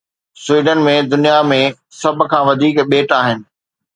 Sweden ۾ دنيا ۾ سڀ کان وڌيڪ ٻيٽ آهن